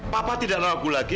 papa tidak ragu lagi